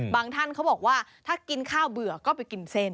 ท่านเขาบอกว่าถ้ากินข้าวเบื่อก็ไปกินเส้น